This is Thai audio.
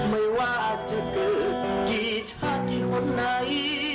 ไม่ว่าจะเกิดกีธากิโฮนไหน